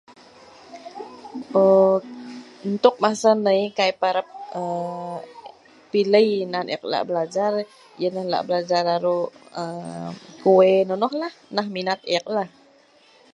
Untuk masa nai, kai parab, pilei nan ek lak belajar, yanah lak belajar aro kuwe nonoh, nah minat ek lah